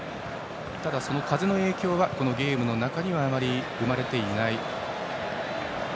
ただ、その風の影響はこのゲームの中にはあまり生まれていない。